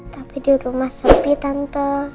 tapi di rumah sepi tante